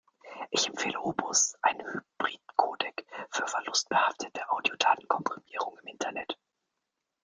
Ich empfehle Opus, einen Hybridcodec, für verlustbehaftete Audiodatenkomprimierung im Internet.